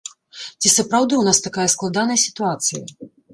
Ці сапраўды ў нас такая складаная сітуацыя?